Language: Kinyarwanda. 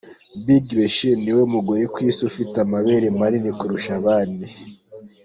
Big Beshine niwe mu gore ku isi ufite amabere manini kurusha abandi.